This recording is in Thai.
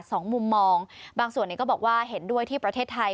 สองมุมมองบางส่วนเนี่ยก็บอกว่าเห็นด้วยที่ประเทศไทย